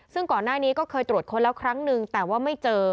ซึ่งก่อนหน้านี้ก็เคยตรวจค้นแล้วครั้งนึงแต่ว่าไม่เจอ